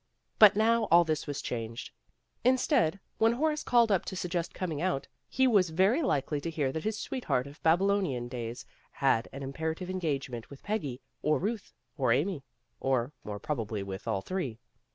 But now all this was changed. Instead, when Horace called up to suggest coming out, he was very likely to hear that his sweetheart of Baby lonian days had an imperative engagement with Peggy, or Euth, or Amy, or more prob ably with all three.